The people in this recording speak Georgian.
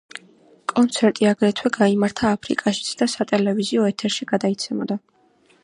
კონცერტი აგრეთვე გაიმართა აფრიკაშიც და სატელევიზიო ეთერში გადაიცემოდა.